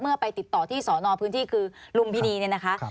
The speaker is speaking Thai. ไปติดต่อที่สอนอพื้นที่คือลุมพินีเนี่ยนะคะ